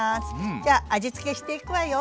じゃ味付けしていくわよ。